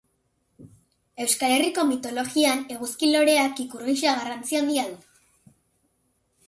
Euskal Herriko mitologian eguzki-loreak ikur gisa garrantzi handia du.